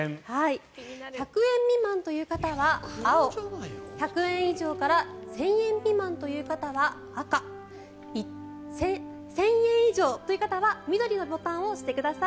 １００円未満という方は青１００円以上から１０００円未満という方は赤１０００円以上という方は緑のボタンを押してください。